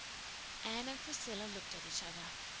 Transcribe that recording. Anne and Priscilla looked at each other.